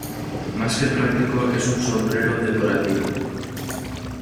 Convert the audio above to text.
Más que práctico es un sombrero decorativo.